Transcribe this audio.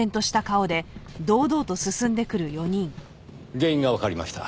原因がわかりました。